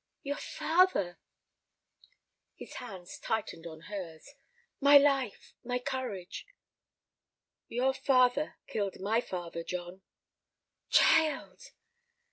"Your father—" His hands tightened on hers. "My life, courage!" "Your father killed my father, John!" "Child!"